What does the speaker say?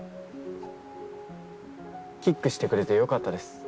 キックしてくれてよかったです。